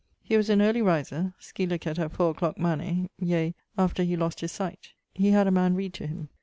He was an early riser (scil. at 4 a clock manè); yea, after he lost his sight. He had a man read to him.